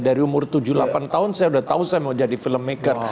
dari umur tujuh delapan tahun saya sudah tahu saya mau jadi filmmaker